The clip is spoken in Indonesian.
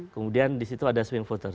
kemudian disitu ada swing voters